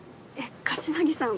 柏木さん